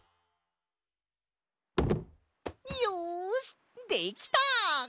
よしできた！